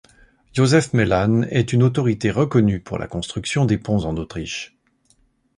Josef Melan est une autorité reconnue pour la construction des ponts en Autriche.